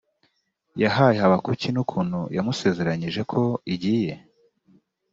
yahaye habakuki n ukuntu yamusezeranyije ko igiye